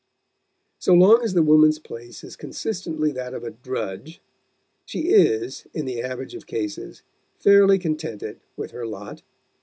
So long as the woman's place is consistently that of a drudge, she is, in the average of cases, fairly contented with her lot.